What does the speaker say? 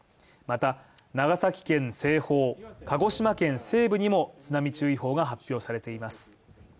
また、長崎県西方鹿児島県西部にも津波注意報が発表されています。